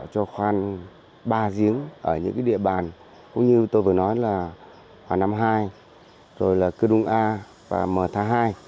cho khoan ba giếng ở những địa bàn cũng như tôi vừa nói là hòa năm hai cơ đông a và m tha hai